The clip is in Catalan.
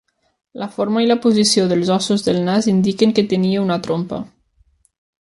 La forma i la posició dels ossos del nas indiquen que tenia una trompa.